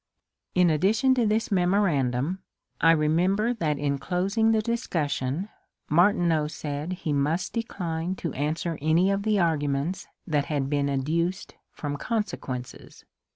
In addition to this memorandiun I remember that in closing the discussion Martineau said he must decline to answer any of the arguments that had been adduced from consequences.